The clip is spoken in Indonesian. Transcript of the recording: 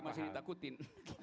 lewat tapi masih ditakutin